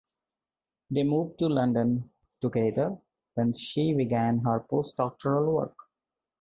They moved to London together when she began her postdoctoral work.